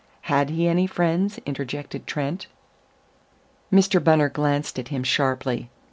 "Had he any friends?" interjected Trent. Mr. Bunner glanced at him sharply.